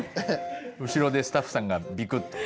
後ろでスタッフさんがビクっと。